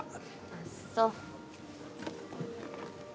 あっそう。